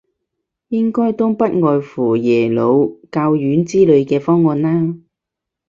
應該都不外乎耶魯、教院之類嘅方案啦